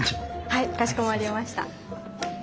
はいかしこまりました。